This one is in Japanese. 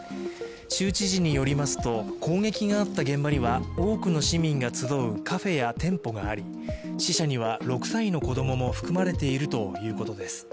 州知事によりますと攻撃があった現場には多くの市民が集うカフェや店舗があり、死者には６歳の子供も含まれているということです。